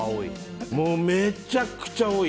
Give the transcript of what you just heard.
もう、めちゃくちゃ多い。